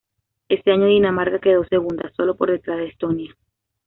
Ese año Dinamarca quedó segunda, solo por detrás de Estonia.